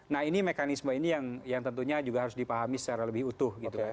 nah ini mekanisme ini yang tentunya juga harus dipahami secara lebih utuh gitu